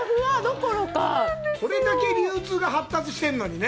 これだけ流通が発達してるのにね。